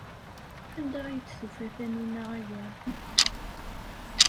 Anda ay d-tufa Taninna aya?